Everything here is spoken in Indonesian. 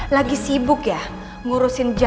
lagi sibuk ya ngurusin jam